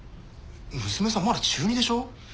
娘さんまだ中２でしょ？